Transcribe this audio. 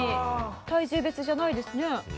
体重別じゃないですね。